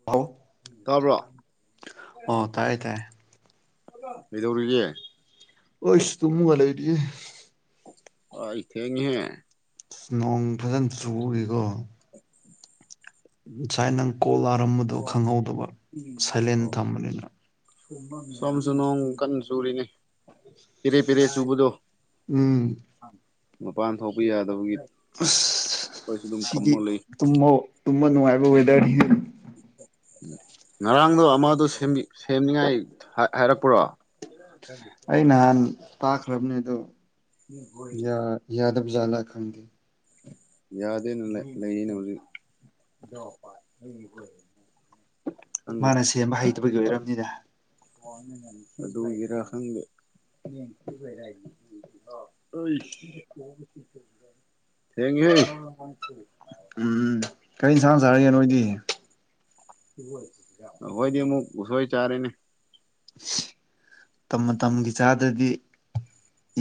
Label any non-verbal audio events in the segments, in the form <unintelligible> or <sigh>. <unintelligible> ꯇꯥꯕ꯭ꯔꯣ ꯑꯣ ꯇꯥꯏꯌꯦ ꯇꯥꯏꯌꯦ ꯀꯩꯗꯧꯔꯤꯒꯦ ꯑꯩꯁ ꯇꯨꯝꯃꯥꯒ ꯂꯩꯔꯤꯌꯦ ꯑꯥꯏ ꯊꯦꯡꯉꯦꯍꯦ ꯅꯣꯡ ꯐꯖꯅ ꯆꯨꯔꯤꯀꯣ ꯉꯁꯥꯏ ꯅꯪ ꯀꯣꯜ ꯂꯥꯔꯝꯕꯗꯣ ꯈꯪꯍꯧꯗꯕ ꯁꯥꯏꯂꯦꯟ ꯑꯣ ꯊꯝꯕꯅꯤꯅ ꯁꯣꯝꯁꯨ ꯅꯣꯡ ꯀꯟꯅ ꯆꯨꯔꯤꯅꯤ ꯄꯦꯔꯦ ꯄꯦꯔꯦ ꯆꯨꯕꯗꯣ ꯎꯝ ꯃꯄꯥꯟ ꯊꯣꯛꯄ ꯌꯥꯗꯕꯒꯤ ꯑꯁ ꯑꯩꯈꯣꯏꯁꯨ ꯑꯗꯨꯝ ꯁꯤꯗꯤ ꯐꯝꯃ ꯂꯩ ꯇꯨꯝꯕ ꯇꯨꯝꯕ ꯅꯨꯡꯉꯥꯏꯕ ꯋꯦꯗꯔꯅꯤ ꯉꯔꯥꯡꯗꯣ ꯑꯃꯗꯣ ꯁꯦꯝꯕꯤ ꯁꯦꯝꯅꯤꯡꯉꯥꯏ ꯍꯥꯏꯔꯛꯄ꯭ꯔꯣ ꯑꯩ ꯅꯍꯥꯟ ꯇꯥꯛꯈ꯭ꯔꯕꯅꯤ ꯑꯗꯣ ꯌꯥ ꯌꯥꯗꯕꯖꯥꯠꯂꯥ ꯈꯪꯗꯦ ꯌꯥꯗꯦꯅ ꯂꯩꯅꯤꯅ ꯍꯧꯖꯤꯛ ꯈꯪꯗꯦ ꯃꯥꯅ ꯁꯦꯝꯕ ꯍꯩꯇꯕꯒꯤ ꯑꯣꯏꯔꯝꯅꯤꯗ ꯑꯗꯨꯒꯤꯔꯥ ꯈꯪꯗꯦ ꯑꯁ ꯊꯦꯡꯉꯦ ꯍꯦ ꯎꯝ ꯀꯔꯤ ꯏꯟꯁꯥꯡ ꯆꯥꯔꯒꯦ ꯅꯣꯏꯗꯤ ꯑꯩꯈꯣꯏꯗꯤ ꯑꯃꯨꯛ ꯎꯁꯣꯏ ꯆꯥꯔꯦꯅꯦ ꯃꯇꯝ ꯃꯇꯝꯒꯤ ꯆꯥꯗ꯭ꯔꯗꯤ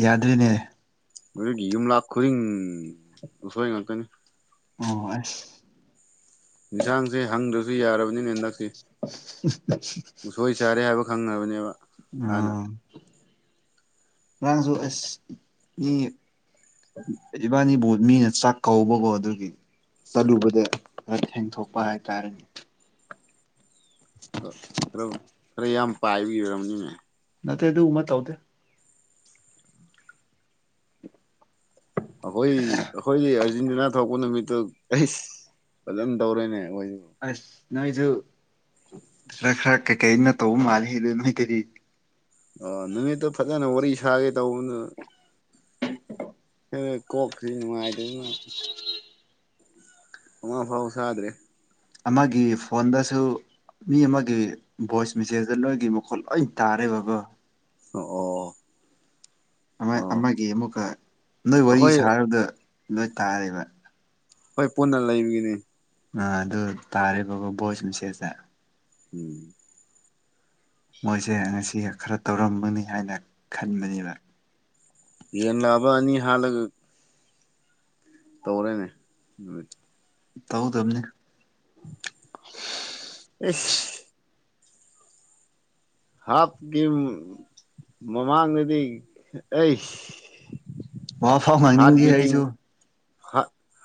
ꯌꯥꯗ꯭ꯔꯤꯅꯦ ꯑꯗꯨꯒꯤ ꯌꯨꯝꯂꯛ ꯈꯨꯗꯤꯡ ꯑꯁꯣꯏ ꯉꯥꯛꯇꯅꯤ ꯑꯣ ꯑꯁ ꯌꯦꯟꯁꯥꯡꯖꯦ ꯍꯪꯗ꯭ꯔꯁꯨ ꯌꯥꯔꯕꯅꯤꯅꯦ ꯍꯟꯗꯛꯁꯤ <unintelligible> ꯎꯁꯣꯏ ꯆꯥꯔꯦ ꯍꯥꯏꯕ ꯈꯪꯉꯕꯅꯦꯕ ꯍꯥꯟꯅ ꯑꯝ ꯅꯪꯖꯨ ꯑꯁ ꯃꯤ ꯏꯕꯥꯅꯤꯕꯨ ꯃꯤꯅ ꯆꯥꯛ ꯀꯧꯕꯀꯣ ꯑꯗꯨꯒꯤ ꯆꯠꯂꯨꯕꯅꯦ ꯈꯔ ꯊꯦꯡꯊꯣꯛꯄ ꯍꯥꯏꯇꯥꯔꯦꯅꯦ ꯑꯗꯣ ꯈꯔ ꯈꯔ ꯌꯥꯝ ꯄꯥꯏꯕꯒꯤ ꯑꯣꯏꯔꯝꯅꯤꯅꯦ ꯅꯠꯇꯦ ꯑꯗꯨꯒꯨꯝꯕ ꯇꯧꯗꯦ ꯑꯩꯈꯣꯏ ꯑꯩꯈꯣꯏꯗꯤ ꯑꯥꯔꯖꯦꯟꯇꯤꯅꯥ ꯊꯣꯛꯄ ꯅꯨꯃꯤꯠꯇꯨ ꯑꯩꯁ ꯐꯖꯅ ꯇꯧꯔꯦꯅꯦ ꯑꯩꯈꯣꯏꯗꯨ ꯑꯁ ꯅꯣꯏꯁꯨ ꯈꯔ ꯈꯔ ꯀꯩꯀꯩꯅꯣ ꯇꯧꯕ ꯃꯥꯜꯂꯤ ꯑꯗꯨ ꯅꯣꯏ ꯀꯔꯤ ꯑꯥ ꯅꯨꯃꯤꯠꯇꯨ ꯐꯖꯅ ꯋꯥꯔꯤ ꯁꯥꯒꯦ ꯇꯧꯕꯗꯨꯅ ꯑꯩꯗꯣ ꯀꯣꯛꯈꯔꯤ ꯅꯨꯡꯉꯥꯏꯇꯗꯅ ꯕꯨꯡꯉꯣ ꯑꯐꯥꯎꯁꯥꯗ꯭ꯔꯦ ꯑꯃꯒꯤ ꯐꯣꯟꯗꯁꯨ ꯃꯤ ꯑꯃꯒꯤ ꯚꯣꯏꯁ ꯃꯦꯁꯦꯖꯇ ꯅꯣꯏꯒꯤ ꯃꯈꯣꯠ ꯂꯣꯏ ꯇꯥꯔꯦ ꯕꯀꯣ ꯑꯣ ꯑꯣ ꯑꯃ ꯑꯣ ꯑꯃꯒꯤ ꯑꯃꯨꯛꯀ ꯅꯣꯏ ꯋꯥꯔꯤ ꯑꯩꯈꯣꯏ ꯁꯥꯔꯕꯗ ꯂꯣꯏ ꯇꯥꯔꯦꯕ ꯍꯣꯏ ꯄꯨꯟꯅ ꯂꯩꯕꯒꯤꯅꯤ ꯑꯥ ꯑꯗꯨ ꯇꯥꯔꯤꯕꯀꯣ ꯚꯣꯏꯁ ꯃꯦꯁꯦꯖꯇꯥ ꯎꯝ ꯃꯣꯏꯁꯦ ꯉꯁꯤ ꯈꯔ ꯇꯧꯔꯝꯒꯅꯤ ꯍꯥꯏꯅ ꯈꯟꯕꯅꯦꯕ ꯌꯦꯟ ꯂꯥꯛꯑꯕ ꯑꯅꯤ ꯍꯥꯥꯟꯂꯒ ꯇꯧꯔꯦꯅꯦ ꯅꯨꯃꯤꯠ ꯇꯧꯗꯕꯅꯤ ꯏꯁ ꯍꯥꯞꯀꯤ ꯃꯃꯥꯡꯗꯗꯤ ꯑꯩꯁ ꯋꯥ ꯐꯥꯎ ꯉꯥꯡꯅꯤꯡꯗꯦ ꯍꯔꯠꯕꯤꯇꯤꯡ ꯑꯩꯁꯨ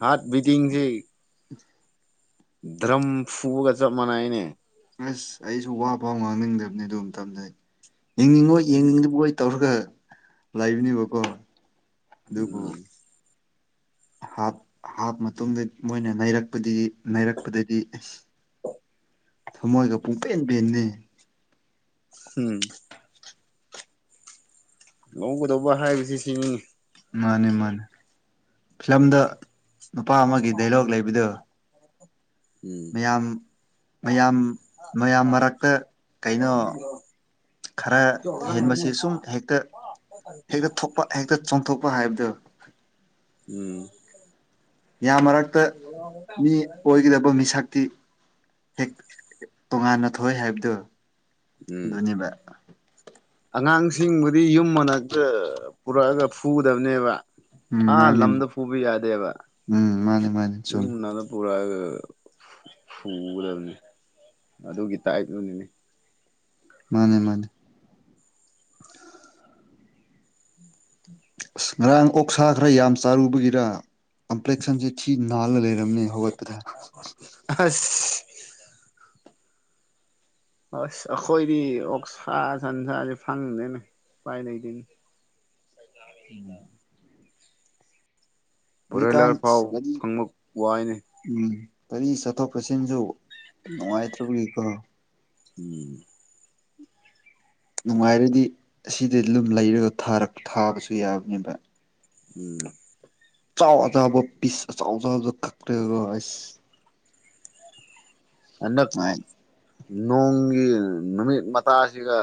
ꯍꯔꯠꯕꯤꯇꯡꯁꯤ ꯗ꯭ꯔꯝ ꯐꯨꯕꯒ ꯆꯞ ꯃꯥꯟꯅꯩꯅꯦ ꯑꯁ ꯑꯩꯁꯨ ꯋꯥꯕꯥꯎ ꯉꯥꯡꯅꯤꯡꯗꯕꯅꯤ ꯑꯗꯨꯝ ꯃꯇꯝꯗ ꯑꯩ ꯌꯦꯡꯅꯤꯡꯉꯣꯏ ꯑꯁ ꯌꯦꯡꯅꯤꯡꯂꯤꯕꯣꯏ ꯇꯧꯔꯒ ꯂꯩꯕꯅꯦꯕꯀꯣ ꯑꯗꯨꯕꯨ ꯎꯝ ꯍꯥꯞ ꯍꯥꯞ ꯃꯇꯨꯡꯗ ꯃꯣꯏꯅ ꯅꯩꯔꯛꯄꯗꯒꯤ ꯅꯩꯔꯛꯄꯗꯗꯤ ꯊꯃꯣꯏꯒ ꯄꯨꯡ ꯄꯦꯟ ꯄꯦꯟꯂꯤ ꯍꯝ ꯂꯧꯍꯧꯒꯗꯧꯕ ꯍꯥꯏꯕꯁꯤ ꯁꯤꯅꯤ ꯃꯥꯅꯦ ꯃꯥꯅꯦ ꯐꯤꯂꯝꯗ ꯅꯨꯄꯥ ꯑꯃꯒꯤ ꯗꯥꯏꯂꯣꯛ ꯂꯩꯕꯗꯣ ꯎꯝ ꯃꯌꯥꯝ ꯃꯌꯥꯝ ꯃꯌꯥꯝ ꯃꯔꯛꯇ ꯀꯩꯅꯣ ꯈꯔ ꯍꯦꯟꯕꯁꯦ ꯁꯨꯝ ꯍꯦꯛꯇꯥ ꯍꯦꯛꯇꯥ ꯊꯣꯛꯄ ꯍꯦꯛꯇ ꯆꯣꯡꯊꯣꯛꯄ ꯍꯥꯏꯕꯗꯣ ꯎꯝ ꯌꯥꯝ ꯃꯔꯛꯇ ꯃꯤ ꯑꯣꯏꯒꯗꯕ ꯃꯤꯁꯛ ꯇꯤ ꯍꯦꯛ ꯇꯣꯉꯥꯟꯅ ꯊꯣꯛꯑꯦ ꯍꯥꯏꯕꯗꯣ ꯎꯝ ꯑꯗꯨꯅꯦꯕ ꯑꯉꯥꯡꯁꯤꯡꯕꯨꯗꯤ ꯌꯨꯝ ꯃꯅꯥꯛꯇ ꯄꯨꯔꯛꯑꯒ ꯐꯨꯗꯕꯅꯦꯕ ꯎꯝ ꯑꯥ ꯃꯥꯅꯦꯕ ꯂꯝꯗ ꯐꯨꯕ ꯌꯥꯗꯦꯕ ꯎꯝ ꯃꯥꯅꯦ ꯃꯥꯅꯦ ꯌꯨꯝ ꯆꯨꯝꯃꯦ ꯃꯅꯥꯛ ꯄꯨꯔꯥꯒ ꯐꯨꯒꯗꯕꯅꯤ ꯑꯗꯨꯒꯤ ꯇꯥꯏꯞꯇꯨꯅꯤꯅꯦ ꯃꯥꯅꯦ ꯃꯥꯅꯦ <unintelligible> ꯑꯁ ꯉꯔꯥꯡ ꯑꯣꯛꯁꯥ ꯈꯔ ꯌꯥꯝ ꯆꯥꯔꯨꯕꯒꯤꯔ ꯀꯝꯄ꯭ꯂꯦꯛꯁꯟꯁꯦ ꯊꯤ ꯅꯥꯜꯂ ꯂꯩꯔ ꯑꯁ ꯑꯁ ꯑꯩꯈꯣꯏꯗꯤ ꯑꯣꯛꯁꯥ ꯁꯟꯁꯥꯁꯦ ꯐꯪꯗꯦꯅꯦ ꯎꯥꯏ ꯂꯩꯗꯦꯅꯤ ꯎꯝ ꯕ꯭ꯔꯣꯏꯂꯔ ꯍꯧꯖꯤꯛꯀꯥꯟ ꯂꯣꯏ ꯑꯁ ꯐꯥꯎ ꯒꯥꯔꯤ ꯐꯪꯕ ꯋꯥꯏꯅꯤ ꯎꯝ ꯒꯔꯤ ꯆꯠꯊꯣꯛ ꯆꯠꯁꯤꯟꯁꯨ ꯅꯨꯡꯉꯥꯏꯇ꯭ꯔꯕꯒꯤꯀꯣ ꯎꯝ ꯅꯨꯡꯉꯥꯏꯔꯗꯤ ꯑꯁꯤꯗ ꯂꯨꯝ ꯂꯩꯔꯒ ꯊꯥꯕꯁꯨ ꯌꯥꯕꯅꯦꯕ ꯎꯝ ꯆꯥꯎ ꯑ ꯆꯕ ꯄꯤꯁ ꯑ ꯆꯥꯎ ꯑꯕꯗ ꯀꯛ꯭ꯔꯦꯁ ꯍꯟꯗꯛ ꯅꯨꯡꯉꯥꯏ ꯅꯣꯡꯒꯤ ꯅꯨꯃꯤꯠ ꯃꯥꯁꯤꯒ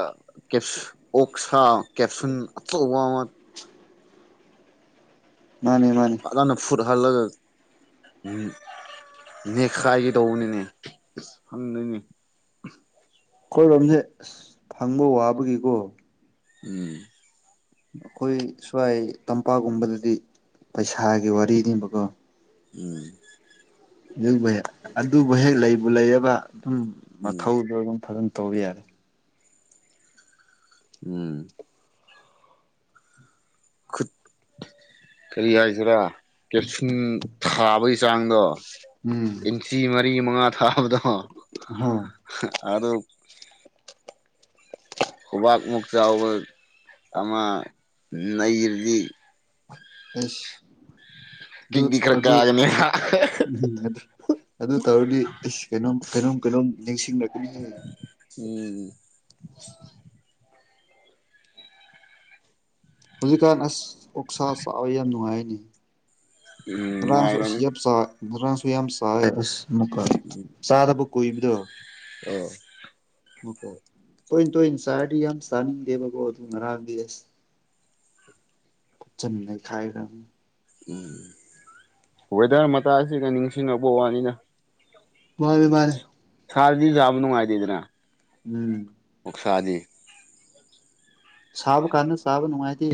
ꯑꯣꯛ ꯁꯥ ꯀꯦꯞꯁꯨꯟ ꯑꯆꯧꯕ ꯑꯃ ꯃꯥꯅꯦ ꯃꯥꯅꯦ ꯑꯅ ꯐꯨꯠ ꯍꯥꯜꯂꯒ ꯅꯦꯈꯥꯏꯒꯤꯗꯧꯕꯅꯤꯅꯦ ꯐꯪꯅꯅꯦ ꯑꯩꯈꯣꯏꯔꯣꯝꯁꯦ ꯑꯁ ꯐꯪꯕ ꯋꯥꯕꯒꯤꯀꯣ ꯎꯝ ꯑꯩꯈꯣꯏ ꯁ꯭ꯋꯥꯏ ꯇꯝꯄꯥꯛꯒꯨꯝꯕꯗꯗꯤ ꯄꯩꯁꯥꯒꯤ ꯋꯥꯔꯤꯅꯤꯕꯀꯣ ꯎꯝ ꯑꯗꯨꯕꯨ ꯑꯗꯨꯕꯨ ꯍꯦꯛ ꯂꯩꯕꯨ ꯂꯩꯔꯕ ꯑꯗꯨꯝ ꯎꯝ ꯃꯊꯧꯗꯣ ꯑꯗꯨꯝ ꯐꯖꯅ ꯇꯧꯕ ꯌꯥꯔꯦ ꯎꯝ ꯈꯨꯠ ꯀꯔꯤ ꯍꯥꯏꯁꯤꯔꯥ ꯀꯦꯞꯁꯤꯟ ꯊꯥꯕꯒꯤ ꯆꯥꯡꯗꯣ ꯎꯝ ꯆꯤ ꯃꯔꯤ ꯃꯉꯥ ꯊꯥꯕꯗꯣ ꯍ ꯑꯗꯣ ꯈꯨꯕꯥꯛ ꯃꯨꯛ ꯆꯥꯎꯕ ꯑꯃ ꯅꯩꯔꯗꯤ ꯑꯁ ꯗꯨ ꯀꯤꯛꯇꯤ ꯈꯔ ꯑꯗꯨ ꯀꯥꯒꯅꯦꯕ ꯎꯝ ꯑꯗꯨ ꯑꯗꯨ ꯇꯧꯔꯗꯤ ꯑꯁ ꯀꯩꯅꯣꯝ ꯀꯩꯅꯣꯝ ꯀꯩꯅꯣꯝ ꯅꯤꯡꯁꯤꯡꯂꯛꯀꯅꯤ ꯎꯝ ꯍꯧꯖꯤꯛꯀꯥꯟ ꯑꯁ ꯎꯛꯁꯥ ꯆꯥꯛ ꯌꯥꯝ ꯅꯨꯡꯉꯥꯏꯅꯤ ꯎꯝ ꯉꯥꯔꯥꯡꯁꯨ ꯑꯁꯤ ꯅꯨꯡꯉꯥꯏꯔꯝꯅꯤ ꯌꯞꯆꯥ ꯉꯥꯡꯁꯨ ꯌꯥꯝ ꯆꯥꯏ ꯑꯁ ꯆꯥꯗꯕ ꯀꯣꯏꯕꯗꯣ ꯑꯣ ꯑꯣ ꯐꯣꯏ ꯇꯣꯏ ꯇꯣꯟ ꯆꯥꯔꯗꯤ ꯌꯥꯝ ꯆꯥꯅꯤꯡꯗꯦꯕꯕꯣ ꯑꯗꯨ ꯉꯔꯥꯡꯗꯤ ꯆꯟ ꯈꯥꯏꯒ ꯎꯝ ꯋꯦꯗꯔ ꯃꯇꯥꯏꯁꯤꯒ ꯅꯤꯡꯁꯤꯡꯉꯛꯄ ꯋꯥꯅꯤꯅ ꯃꯥꯅꯦ ꯃꯥꯅꯦ ꯁꯥꯗꯤ ꯌꯥꯝ ꯅꯨꯡꯉꯥꯏꯅꯤꯗꯅ ꯎꯝ ꯑꯣꯛꯁꯥꯗꯤ ꯁꯥꯕ ꯀꯥꯟꯗ ꯆꯥꯕ ꯅꯨꯡꯉꯥꯏꯇꯦ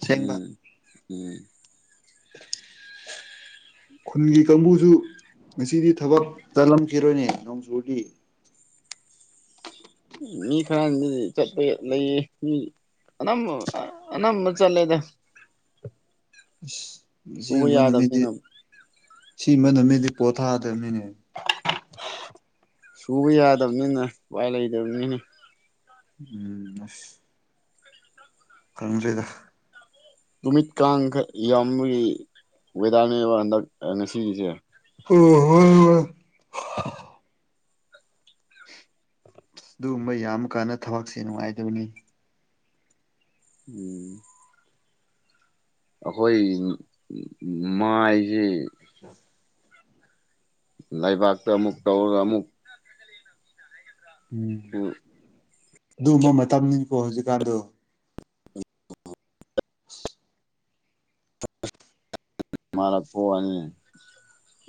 ꯑꯁꯦꯡꯕ ꯎꯝ ꯎꯝ ꯈꯨꯟꯒꯤ ꯀꯥꯡꯕꯨꯁꯨ ꯉꯁꯤꯗꯤ ꯊꯕꯛ ꯆꯠꯂꯝꯈꯤꯔꯣꯏꯅꯦ ꯅꯣꯡꯖꯨꯗꯤ ꯃꯤ ꯈꯔ ꯆꯠꯄ ꯂꯩꯌꯦ ꯃꯤ ꯑꯅꯝ ꯑꯅꯝꯕ ꯆꯠꯂꯦꯗ ꯑꯁ ꯁꯤ ꯁꯨꯕ ꯑꯃ ꯅꯨꯃꯤꯠꯗꯤ ꯌꯥꯗꯕꯅꯤꯅ ꯁꯤꯃ ꯅꯨꯃꯤꯠꯗꯤ ꯄꯣꯊꯥꯗꯕꯅꯤꯅꯦ ꯁꯨꯕ ꯌꯥꯗꯕꯅꯤꯅ ꯎꯄꯥꯏ ꯂꯩꯇꯕꯅꯤꯅ ꯎꯝ ꯑꯁ ꯀꯥꯡꯪꯗ꯭ꯔꯩꯗ ꯅꯨꯃꯤꯠ ꯀꯥꯡꯈꯛ ꯌꯥꯝꯕꯒꯤ ꯋꯦꯗꯔꯅꯦꯕ ꯍꯟꯗꯛ ꯉꯁꯤꯒꯤꯁꯦ ꯑꯣ ꯍꯣꯏ ꯍ ꯑꯗꯨꯒꯨꯝꯕ ꯌꯥꯝ ꯀꯥꯟꯟꯅ ꯊꯕꯛꯁꯦ ꯅꯨꯡꯉꯥꯏꯗꯕꯅꯤ ꯎꯝ ꯑꯩꯈꯣꯏ ꯃꯥꯏꯁꯦ ꯑ ꯂꯩꯕꯥꯛꯇ ꯑꯃꯨꯛ ꯇꯧꯔꯒ ꯑꯃꯨꯛ ꯎꯝ ꯑꯗꯨꯝꯕ ꯃꯇꯝꯅꯤꯀꯣ ꯍꯧꯖꯤꯛꯀꯥꯟꯗꯣ <inaudible> ꯃꯥꯔ ꯄꯨꯋꯥꯅꯤ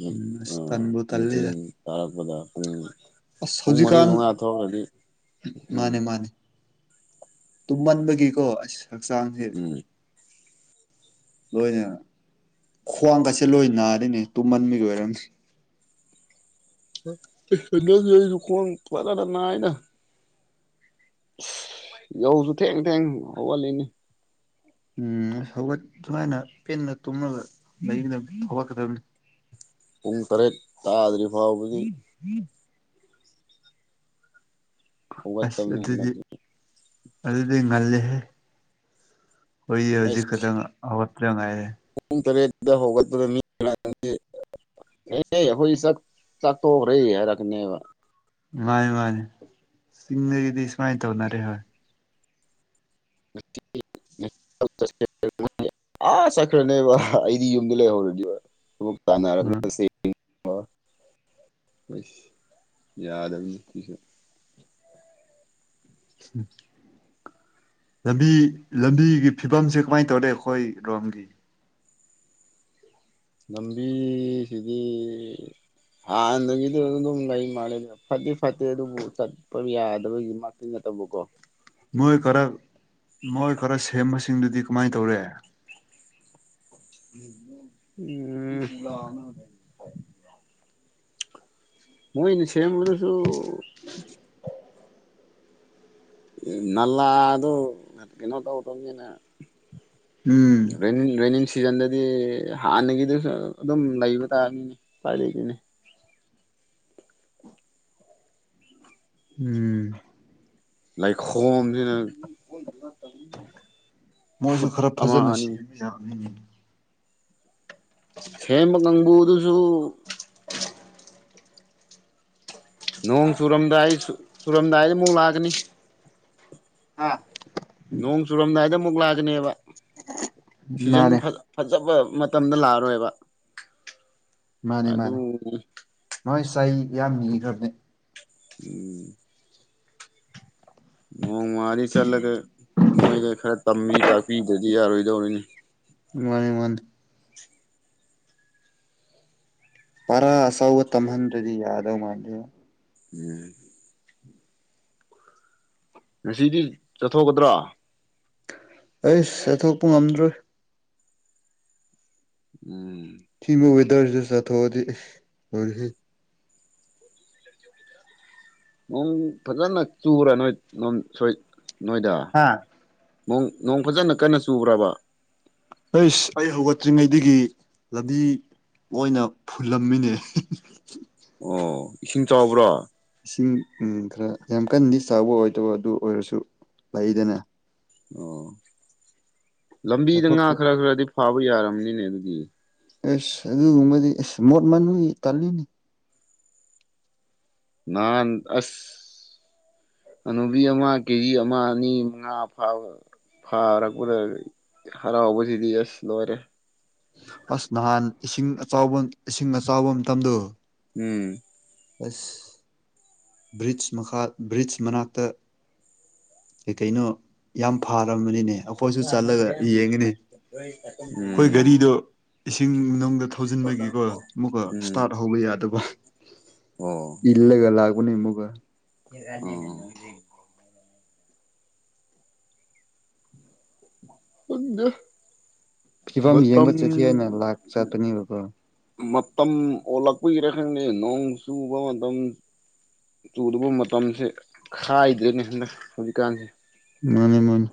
ꯎꯝ ꯑꯁ ꯇꯟꯕꯨ ꯃꯊ ꯇꯜꯂꯤꯗ ꯇꯔꯒꯄꯗꯥ ꯎꯝ ꯑꯁ ꯍꯧꯖꯤꯛꯀꯥꯟ ꯎꯝ ꯃꯥꯅꯦ ꯃꯥꯅꯦ ꯇꯨꯝꯃꯟꯕꯒꯤꯀꯣ ꯑꯁ ꯍꯛꯆꯥꯡꯁꯦ ꯎꯝ ꯂꯣꯏꯅ ꯈ꯭ꯋꯥꯡꯒꯠꯁꯦ ꯂꯣꯏ ꯅꯥꯔꯤꯅꯦ ꯇꯨꯝꯃꯟꯕꯒꯤ ꯑꯣꯏꯔꯝꯅꯤ ꯀꯣꯟ ꯄꯅ ꯅꯥꯏꯅ ꯌꯧꯁꯨ ꯊꯦꯡ ꯊꯦꯡ ꯍꯧꯋꯥꯠꯂꯤꯅꯤ ꯎꯝ ꯍꯧꯒꯠ ꯁꯨꯃꯥꯏꯅ ꯄꯦꯟꯅ ꯇꯨꯝꯂꯒ ꯂꯩꯒꯗꯕ ꯍꯧꯒꯠꯀꯗꯕꯅꯤ ꯄꯨꯡ ꯇꯔꯦꯠ ꯇꯥꯗ꯭ꯔꯤ ꯐꯥꯎꯕꯒꯤ ꯎꯝ ꯑꯁ ꯍꯧꯒꯠꯇꯕꯅꯤ ꯑꯗꯨꯗꯤ ꯍꯟꯗꯛꯁꯦ ꯑꯗꯨꯗꯤ ꯉꯜꯜꯂꯤꯦꯍꯦ ꯍꯣꯏꯌꯦ ꯍꯧꯖꯤꯛ ꯈꯛꯇꯪ ꯍꯧꯒꯠꯄ ꯉꯥꯏꯔꯦ ꯄꯨꯡꯨꯡ ꯇꯔꯦꯠꯗ ꯍꯒ꯭ꯔ ꯑꯦ ꯑꯩꯈꯣꯏ ꯁꯥꯛ ꯆꯥꯛꯊꯣꯛꯈ꯭ꯔꯦ ꯍꯥꯏꯔꯛꯀꯅꯦꯕ ꯃꯥꯅꯤ ꯃꯥꯅꯤ ꯆꯤꯡꯗꯒꯤꯗꯤ ꯁꯨꯃꯥꯏꯅ ꯇꯧꯅꯔꯦ ꯍꯣꯏ ꯠ ꯑꯥ ꯆꯠꯈ꯭ꯔꯅꯦꯕ ꯑꯩꯗꯤ ꯌꯨꯝꯗ ꯂꯩꯍꯧꯔꯗꯤꯕ ꯎꯝ ꯇꯥꯟꯅꯔꯛꯂꯁꯤ ꯁ ꯌꯥꯗ ꯍꯥꯏꯕꯤꯁꯨ ꯎꯝ ꯂꯝꯕꯤ ꯂꯝꯕꯤꯒꯤ ꯐꯤꯕꯝꯁꯦ ꯀꯃꯥꯏꯅ ꯇꯧꯔꯦ ꯑꯩꯈꯣꯏ ꯔꯣꯝꯒꯤ ꯂꯝꯕꯤꯤ ꯁꯤꯗꯤ ꯍꯥꯟꯅꯗꯒꯤꯗꯤ ꯑꯗꯨꯝ ꯂꯩ ꯃꯥꯜꯂꯦ ꯐꯠꯇꯗꯤ ꯐꯠꯇꯦ ꯑꯗꯨꯕꯨ ꯆꯠꯄ ꯌꯥꯗꯕꯒꯤ ꯇꯅꯇꯕꯣꯀꯣ ꯃꯣꯏ ꯈꯔ ꯃꯣꯏ ꯈꯔ ꯁꯦꯝꯕꯁꯤꯡꯗꯨꯗꯤ ꯀꯃꯥꯏꯅ ꯇꯧꯔꯦ ꯎꯝ ꯃꯣꯏꯅꯤ ꯁꯦꯝꯕꯗꯁꯨ ꯎ ꯅꯂ ꯑꯗꯨ ꯑꯗꯨꯩꯅꯣ ꯇ ꯎ ꯇꯅꯦ ꯎꯝ ꯔ ꯔꯅꯤ ꯁꯤꯖꯟꯗꯗꯤ ꯍꯥꯟꯅꯒꯤꯗꯨꯁꯨ ꯑꯗꯨꯝ ꯂꯩꯕ ꯇꯥꯔꯅꯤꯅꯦ ꯈ꯭ꯋꯥꯏꯗꯒꯤꯗꯒꯤꯅꯦ ꯎꯝ ꯂꯥꯏꯛ ꯍꯣꯝꯁꯤꯅ ꯃꯣꯏꯁꯨ ꯈꯔ ꯐꯖꯅ ꯑꯅꯤ ꯁꯦꯝꯕ ꯌꯥꯅꯤ ꯁꯦꯝꯕ ꯀꯥꯡꯕꯨ ꯑꯗꯨꯁꯨ ꯅꯣꯡ ꯆꯨꯔꯝꯗꯥꯏ ꯆꯨꯔꯝꯗꯥꯏꯗ ꯑꯃꯨꯛ ꯂꯥꯛꯑꯀꯅꯤ ꯑꯥ ꯅꯣꯡ ꯆꯨꯔꯝꯗꯥꯏꯗ ꯑꯃꯨꯛ ꯂꯥꯛꯀꯅꯦꯕ ꯁꯤꯖꯟ ꯃꯥꯅꯦ ꯐ ꯐꯖꯕ ꯃꯇꯝꯗ ꯂꯥꯛꯑꯔꯣꯏꯕ ꯃꯥꯅꯦ ꯑꯗꯨ ꯃꯥꯅꯦ ꯅꯣꯏ ꯁꯥꯏ ꯌꯥꯝ ꯃꯤꯈ꯭ꯔꯕꯅꯦ ꯎ ꯅꯣꯡꯃꯥꯗꯤ ꯆꯠꯂꯒ ꯃꯣꯏꯗ ꯈꯔ ꯇꯝꯕꯤ ꯇꯥꯛꯄꯤꯗꯗꯤ ꯌꯥꯔꯣꯏꯗꯧꯔꯤꯅꯤ ꯃꯥꯅꯤ ꯃꯥꯅꯤ ꯄꯔꯥ ꯑꯆꯥꯎꯕ ꯇꯝꯍꯟꯗ꯭ꯔꯗꯤ ꯌꯥꯗꯧ ꯃꯥꯥꯟꯗꯦꯅ‌ꯦ ꯎꯝ ꯉꯁꯤꯗꯤ ꯆꯠꯊꯣꯛꯀꯗ꯭ꯔꯣ ꯑꯩꯁ ꯆꯠꯊꯣꯛꯄ ꯉꯝꯗ꯭ꯔꯤ ꯎꯝ ꯁꯤꯕꯨ ꯋꯦꯗꯔꯁꯤꯗ ꯆꯠꯊꯣꯛꯑꯗꯤ ꯂꫭꯔ‌ꯦꯍ‌ꯦ ꯅꯣꯡ ꯐꯖꯅ ꯆꯨꯔ ꯅꯣꯏ ꯅ ꯁꯣꯏ ꯅꯣꯏꯗ ꯍꯥꯥ ꯅꯣꯡ ꯐꯖꯅ ꯀꯟꯅ ꯆꯨꯕ꯭ꯔꯕꯥ ꯑꯩꯁ ꯑꯩ ꯍꯧꯒꯠꯇ꯭ꯔꯤꯉꯩꯗꯒꯤ ꯂꯝꯕꯤ ꯂꯣꯏꯅ ꯐꯨꯜꯂꯝꯃꯤꯅꯦ ꯑꯣ ꯏꯁꯤꯡ ꯆꯥꯎꯕ꯭ꯔꫭ ꯏꯁꯤꯡ ꯎꯝ ꯈꯔ ꯌꯥꯝ ꯀꯟꯗꯤ ꯆꯥꯎꯕ ꯑꯣꯏꯗꯕ ꯑꯗꯨ ꯑꯣꯏꯔꯁꯨ ꯂꯩꯗꯅ ꯑꯣ ꯂꯝꯕꯤꯗ ꯉꯥ ꯆꯠꯊꯣꯛꯇꯦ ꯈꯔ ꯈꯔꯗꯤ ꯐꯥꯕ ꯌꯥꯔꯝꯅꯤꯅꯦ ꯑꯗꯨꯒꯤ ꯑꯦꯁ ꯑꯗꯨꯒꯨꯝꯕꯗꯤ ꯑꯦꯁ ꯃꯣꯠ ꯃꯅꯨꯡꯒꯤ ꯇꯜꯂꯤꯅ‌ꯦ ꯅꯍꯥꯟ ꯑꯁ ꯑꯅꯨꯕꯤ ꯑꯃ ꯒ‌ꯦꯖꯤ ꯑꯃ ꯑꯅꯤ ꯃꯉꯥ ꯐꯥꯕ ꯐꯥꯔꯛꯄꯗ ꯍꯔꯥꯎꯕꯁꯤꯗꯤ ꯑꯁ ꯂꯣꯏꯔꯦ ꯑꯁ ꯅꯍꯥꯟ ꯏꯁꯤꯡ ꯑꯆꯥꯎꯕ ꯏꯁꯤꯡ ꯑꯆꯥꯎꯕ ꯃꯇꯝꯗꯣ ꯎꯝ ꯑꯁ ꯕ꯭ꯔꯤꯖ ꯃꯈꯥ ꯕ꯭ꯔꯤꯖ ꯃꯅꯥꯛꯇ ꯀꯩ ꯀꯩꯅꯣ ꯌꯥꯝ ꯐꯥꯔꯝꯕꯅꯤꯅꯦ ꯑꯩꯈꯣꯏꯁꯨ ꯑ ꯅꯪ ꯆꯠꯂꯒ ꯌꯦꯡꯉꯤꯅꯤ ꯑꯩꯈꯣꯏ <unintelligible> ꯒꯥꯔꯤꯗꯣ ꯏꯁꯤꯡ ꯃꯅꯨꯡꯗ ꯊꯧꯖꯤꯟꯕꯒꯤꯀꯣ ꯑꯃꯨꯛꯀ ꯏꯁꯇꯥꯔꯠ ꯍꯧꯕ ꯌꯥꯗꯕ ꯑꯣ ꯏꯜꯂꯒ ꯂꯥꯛꯄꯅꯤ ꯑꯃꯨꯛꯀ <unintelligible> ꯍꯗ <unintelligible> ꯐꯤꯕꯝ ꯌꯦꯡꯕ ꯆꯠꯁꯤ ꯍꯥꯏꯅ ꯂꯥꯛ ꯆꯠꯄꯅꯦꯕꯀꯣ ꯃꯇꯝ ꯑꯣꯜꯂꯛꯄꯒꯤꯔꯦ ꯈꯪꯗ‌ꯦ ꯅꯣꯡ ꯆꯨꯕ ꯃꯇꯝ ꯆꯨꯗꯕ ꯃꯇꯝꯁꯦ ꯈꯥꯏꯗ꯭ꯔꯦꯅꯤ ꯍꯟꯗꯛ ꯍꯧꯖꯤꯛꯀꯥꯟꯁꯦ ꯃꯥꯅꯦ ꯃꯥꯅꯦ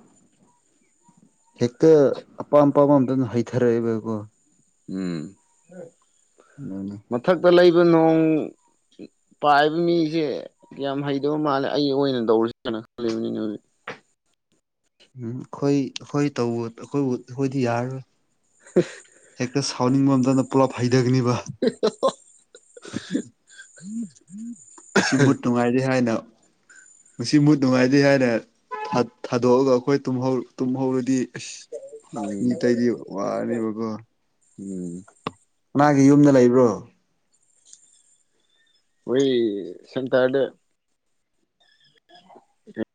ꯍꯦꯛꯇꯥ ꯑꯄꯥꯝ ꯑꯄꯥꯝꯕ ꯑꯝꯇꯝ ꯍꯩꯊꯔꯛꯏꯦꯕꯀꯣ ꯎꯝ ꯃꯥꯅꯤ ꯃꯊꯛꯇ ꯂꯩꯕ ꯅꯣꯡ ꯄꯥꯏꯕ ꯃꯤꯁꯦ ꯌꯥꯝ ꯍꯩꯇꯕ ꯃꯥꯜꯂꯦ ꯑꯩ ꯑꯣꯏꯅ ꯇꯧꯔꯁꯤ ꯀꯟꯅ ꯈꯜꯂꯤꯕꯅꯤꯅ‌ꯦ ꯍꯧꯖꯤꯛ ꯎꯝ ꯑꯩꯈꯣꯏ ꯑꯩꯈꯣꯏ ꯇꯧꯕ ꯑꯩꯈꯣꯏꯕꯨ ꯑꯩꯈꯣꯏꯗꯤ ꯌꯥꯔꯔꯣꯏ ꯍ‌ꯦꯛꯇ ꯁꯥꯎꯅꯤꯡꯕ ꯃꯇꯝꯗꯅ ꯄꯨꯂꯞ ꯐꯩꯗꯒꯅꯤꯕ ꯉꯁꯤ ꯃꯨꯠ ꯅꯨꯡꯉꯥꯏꯔꯦ ꯍꯥꯏꯅ ꯃꯁꯤ ꯃꯨꯠ ꯅꯨꯡꯉꯥꯏꯇꯦ ꯍꯥꯏꯅ ꯊꯥꯗꯣꯛꯑꯒ ꯑꯩꯈꯣꯏ ꯇꯨꯝꯍꯧꯔꯗꯤ ꯑꯁ ꯎꯝ ꯃꯤ ꯑꯇꯩꯗꯤ ꯋꯥꯔꯅꯦꯕꯀꯣ ꯎꯝ ꯃꯥꯒꯤ ꯌꯨꯝꯗ ꯂꯩꯕ꯭ꯔꯣ ꯑꯣꯏ ꯁꯦꯟꯇꯥꯔꯗ ꯑ <unintelligible>